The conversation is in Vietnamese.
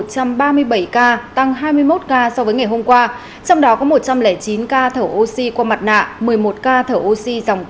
tăng ba mươi bảy ca tăng hai mươi một ca so với ngày hôm qua trong đó có một trăm linh chín ca thở oxy qua mặt nạ một mươi một ca thở oxy dòng